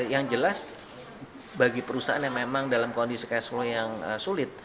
yang jelas bagi perusahaan yang memang dalam kondisi cash flow yang sulit